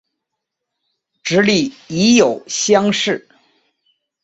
直隶乙酉乡试。